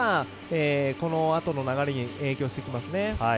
このあとの流れに影響していきますね。